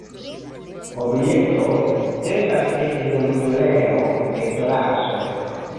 Objekto estas ekzemplero de klaso.